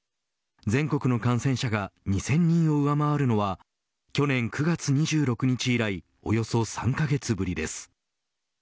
全国の感染者が２０００人を上回るのは去年９月２６日以来およそ３カ月ぶりです。